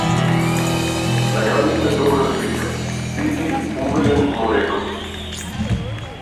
Наградивме добра збирка, биди уверен, му реков.